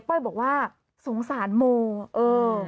เป้ยบอกว่าสงสารโม